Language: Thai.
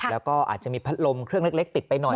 แล้วก็อาจจะมีพัดลมเครื่องเล็กติดไปหน่อย